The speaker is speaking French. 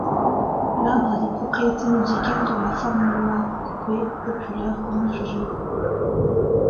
L'arbre a des propriétés médicales dans la pharmacopée populaire, en infusions.